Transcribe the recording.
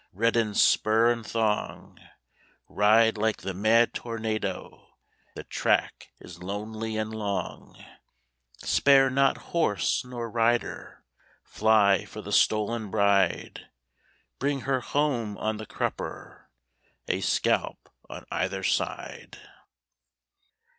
Redden spur and thong, Ride like the mad tornado, The track is lonely and long, Spare not horse nor rider, Fly for the stolen bride! Bring her home on the crupper, A scalp on either side.